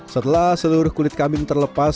setelah seluruh kulit kambing terlepas